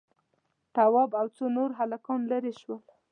تواب او څو نور هلکان ليرې شول.